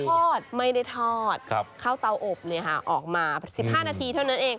ทอดไม่ได้ทอดเข้าเตาอบออกมา๑๕นาทีเท่านั้นเอง